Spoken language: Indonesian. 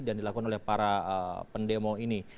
dan dilakukan oleh para pendemo ini